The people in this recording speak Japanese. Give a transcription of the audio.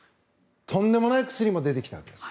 とんでもない薬も出てきたわけです。